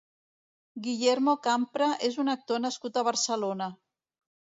Guillermo Campra és un actor nascut a Barcelona.